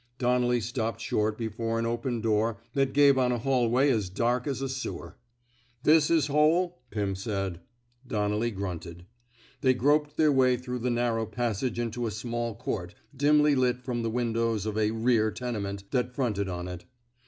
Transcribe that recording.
Donnelly stopped short before an open 72 ON CIECUMSTANTIAL EVIDENCE door that gave on a hallway as dark as a sewer. '' This his hole? '' Pim said. Donnelly granted. They groped their way through the narrow passage into a small court, dimly lit from the windows of a rear tenement '^ that fronted on it.